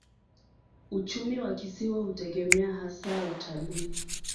Uchumi wa kisiwa hutegemea hasa utalii.